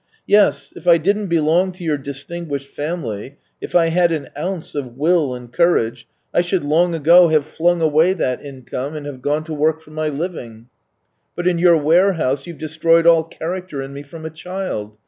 " Yes, if I didn't belong to your distinguished family — if I had an ounce of will and courage, I should long ago have flung away that income, and have gone to work for my living. But in your warehouse you've destroyed all character in me from a child